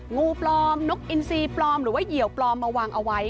งูปลอมนกอินซีปลอมหรือว่าเหี่ยวปลอมมาวางเอาไว้